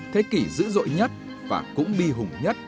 thế kỷ dữ dội nhất và cũng bi hùng nhất